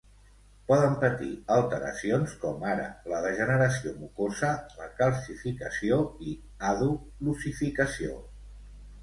Poden patir alteracions com ara la degeneració mucosa, la calcificació i àdhuc l'ossificació.